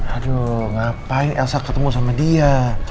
aduh ngapain elsa ketemu sama dia